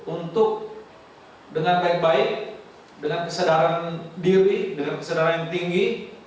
untuk dengan baik baik dengan kesadaran diri dengan kesadaran yang tinggi